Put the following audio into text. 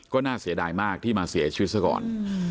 ก็น่าเสียดายมากที่มาเสียชีวิตซะก่อน